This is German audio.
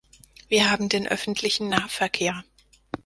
Wir haben den öffentlichen Nahverkehr.